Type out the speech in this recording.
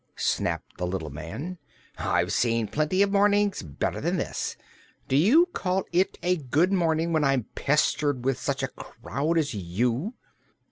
snapped the little man. "I've seen plenty of mornings better than this. Do you call it a good morning when I'm pestered with such a crowd as you?"